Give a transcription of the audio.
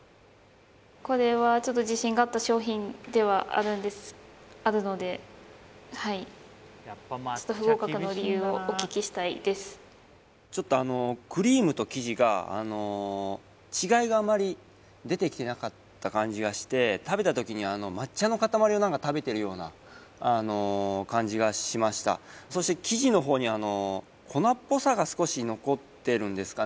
これはちょっと自信があった商品ではあるんですあるのではいちょっとあのクリームと生地があの違いがあまり出てきてなかった感じがして食べた時にあの抹茶の塊を何か食べてるようなあの感じがしましたそして生地の方に粉っぽさが少し残ってるんですかね